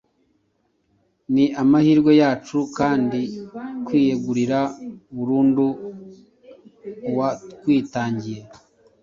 ni amahirwe yacu kandi kwiyegurira burundu uwatwitangiye.